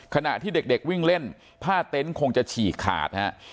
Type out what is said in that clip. ขณะที่เด็กวิ่งเล่นผ้าเต็นต์คงจะฉีกขาดฮะ